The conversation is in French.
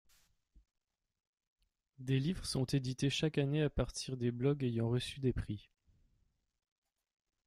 Des livres sont édités chaque année à partir des blogs ayant reçu des prix.